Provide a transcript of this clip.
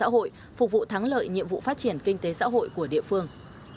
công an huyện phú xuyên đã phục vụ thắng lợi nhiệm vụ phát triển kinh tế xã hội của địa phương